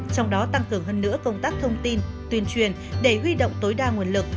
trong đó tăng cường hơn nữa công tác thông tin tuyên truyền để huy động tối đa nguồn lực